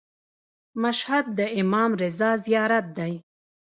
مشهد د امام رضا زیارت دی.